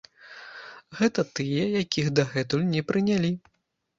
Гэта тыя, якіх дагэтуль не прынялі.